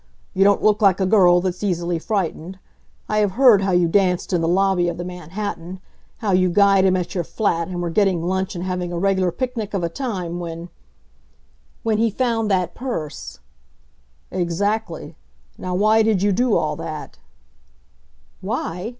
You don't look like a girl that's easily frightened. I have heard how you danced in the lobby of the Manhattan, how you guyed him at your flat, and were getting lunch and having a regular picnic of a time when " "When he found that purse." "Exactly. Now, why did you do all that?" "Why?